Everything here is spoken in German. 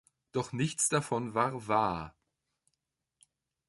Doch nichts davon war wahr.